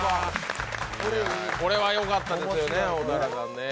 これはよかったですよね。